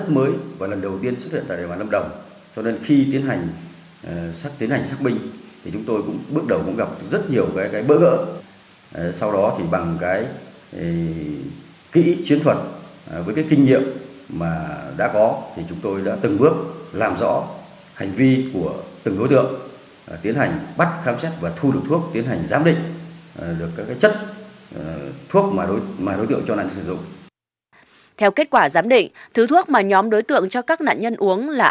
theo kết quả giám định thứ thuốc mà nhóm đối tượng cho các nạn nhân uống là